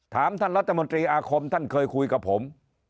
ท่านรัฐมนตรีอาคมท่านเคยคุยกับผม